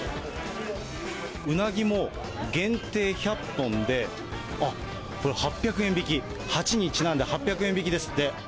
ウナギも限定１００本で、あっ、これ、８００円引き、８にちなんで８００円引きですって。